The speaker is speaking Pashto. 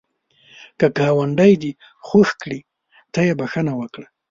که ګاونډی دی خوږ کړي، ته یې بخښه وکړه